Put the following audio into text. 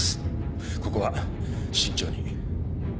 ここは慎重に。